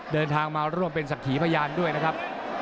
เดินทางมาร่วมเป็นสักขีพยานด้วยนะครับ